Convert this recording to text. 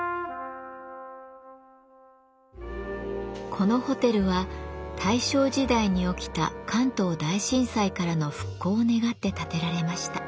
このホテルは大正時代に起きた関東大震災からの復興を願って建てられました。